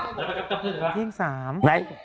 มีรวมวิ่งที่๓